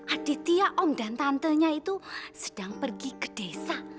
aditya om dan tantenya itu sedang pergi ke desa